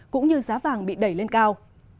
cũng như giá vàng bị đẩy lên cao